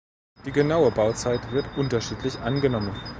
Die genaue Bauzeit wird unterschiedlich angenommen.